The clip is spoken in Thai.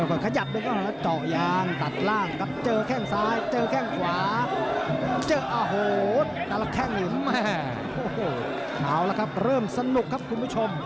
เอาละครับเริ่มสนุกครับคุณผู้ชม